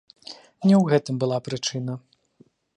Не ў гэтым была прычына.